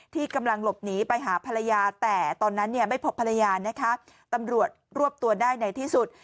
ที่กำลังหลบหนีไปหาภรรยาแต่ตอนนั้นเนี่ยไม่พบภรรยานะคะตำรวจรวบตัวได้ในที่สุด